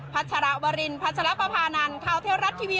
พัชรวรินพัชรประพานันข้าวเที่ยวรัตน์ทีวี